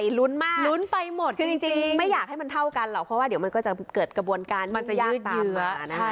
นี่ลุ้นมากไม่อยากให้มันเท่ากันเหรอเพราะว่าเดี๋ยวมันก็จะเกิดกระบวนการยึดเหยือ